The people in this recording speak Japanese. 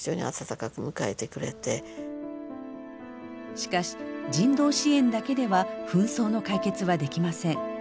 しかし人道支援だけでは紛争の解決はできません。